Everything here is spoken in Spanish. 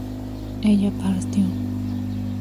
ella partió